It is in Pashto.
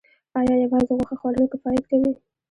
ایا یوازې غوښه خوړل کفایت کوي